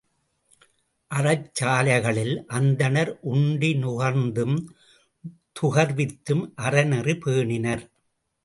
அறச் சாலைகளில் அந்தணர் உண்டி நுகர்ந்தும் துகர்வித்தும் அறநெறி பேணினர்.